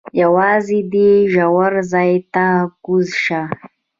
یوازې دې ژور ځای ته کوز شه.